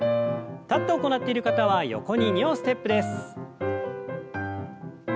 立って行っている方は横に２歩ステップです。